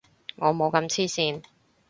我冇咁黐線